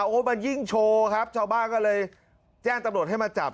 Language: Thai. เพราะว่ามันยิ่งโชว์ครับเจ้าบ้านก็เลยแจ้งตำโหลดให้มาจับ